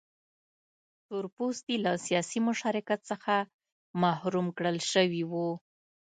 تور پوستي له سیاسي مشارکت څخه محروم کړل شوي وو.